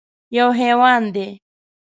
_يو حيوان دی.